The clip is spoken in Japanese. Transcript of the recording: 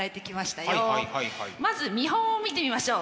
まず見本を見てみましょう。